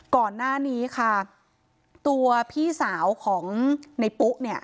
ก่อนหน้านี้ค่ะตัวพี่สาวของในปุ๊เนี่ย